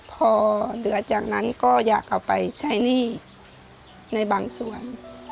พอเหลือจากนั้นก็อยากเอาไปใช้หนี้ในบางส่วน